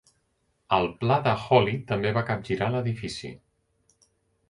El pla de Joly també va capgirar l'edifici.